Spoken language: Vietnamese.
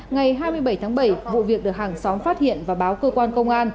ngày hai mươi bảy tháng bảy vụ việc được hàng xóm phát triển